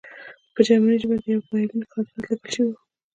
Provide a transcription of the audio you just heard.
په جرمني ژبه د یوه بایلونکي خاطرات لیکل شوي وو